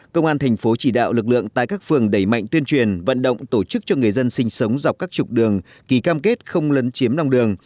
công an thành phố chỉ đạo lực lượng tại các phường đẩy mạnh tuyên truyền vận động tổ chức cho người dân sinh sống dọc các trục đường ký cam kết không lấn chiếm lòng đường